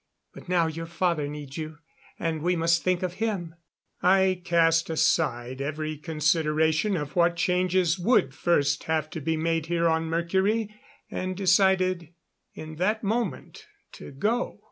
But now your father needs you and we must think of him." I cast aside every consideration of what changes would first have to be made here on Mercury, and decided in that moment to go.